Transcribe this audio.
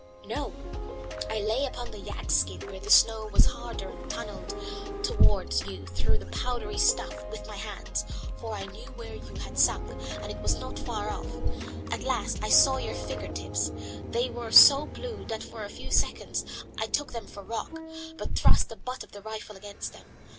"No; I lay upon the yak skin where the snow was harder and tunnelled towards you through the powdery stuff with my hands, for I knew where you had sunk and it was not far off. At last I saw your finger tips; they were so blue that for a few seconds I took them for rock, but thrust the butt of the rifle against them.